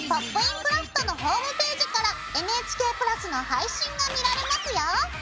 クラフト」のホームページからＮＨＫプラスの配信が見られますよ。